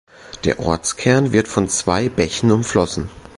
Der Ortskern wird von zwei Bächen umflossen.